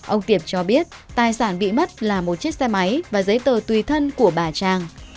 ông tiệp cho biết tài sản bị mất là một chiếc xe máy và giấy tờ tùy thân của bà trang